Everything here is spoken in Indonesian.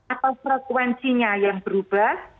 atau frekuensinya yang berubah